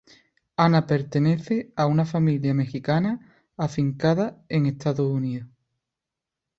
Ana pertenece a una familia mexicana afincada en Estados Unidos.